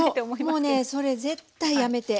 もうねそれ絶対やめて。